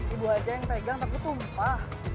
ibu aja yang pegang tapi tumpah